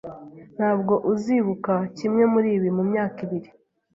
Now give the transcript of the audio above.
Ntabwo uzibuka kimwe muribi mumyaka ibiri.